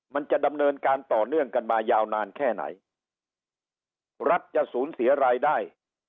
มันจะดำเนินการต่อเนื่องกันมายาวนานแค่ไหนรัฐจะสูญเสียรายได้